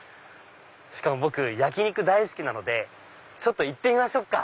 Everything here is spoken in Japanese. しかも僕焼き肉大好きなのでちょっと行ってみましょうか。